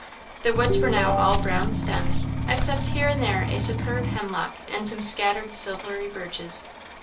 The woods were now all brown stems, except here and there a superb hemlock and some scattered silvery birches.